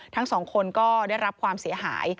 ทั้งสองคนก็ได้รับความเสียหาย